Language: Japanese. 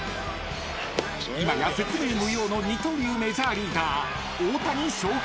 ［今や説明無用の二刀流メジャーリーガー大谷翔平選手］